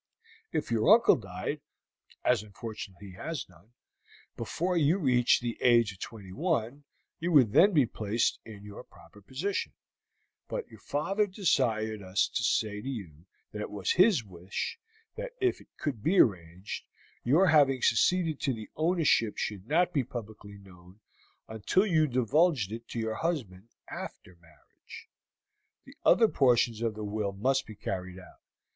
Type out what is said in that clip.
If your uncle died, as unfortunately he has done, before you reached the age of twenty one, you would then be placed in your proper position; but your father desired us to say to you that it was his wish, that if it could be arranged, your having succeeded to the ownership should not be publicly known until you divulged it to your husband after marriage. The other portions of the will must be carried out.